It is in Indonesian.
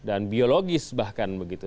dan biologis bahkan begitu